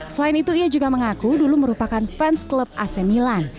selain itu ia juga mengaku dulu merupakan fans klub ac milan